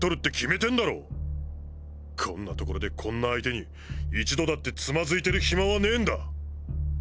こんなところでこんな相手に一度だってつまずいてる暇はねえんだ。